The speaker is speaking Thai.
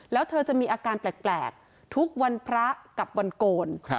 แล้วเธอจะมีอาการแปลกทุกวันพระกับวันโกน